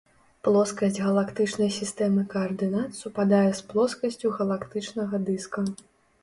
Плоскасць галактычнай сістэмы каардынат супадае з плоскасцю галактычнага дыска.